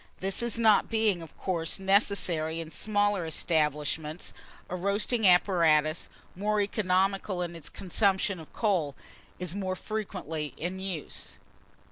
This not being, of course, necessary in smaller establishments, a roasting apparatus, more economical in its consumption of coal, is more frequently in use.